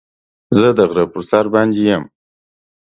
زه د غره په سر باندې يم.